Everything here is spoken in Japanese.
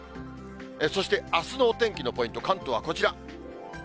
そしてあすのお天気のポイント、関東はこちら。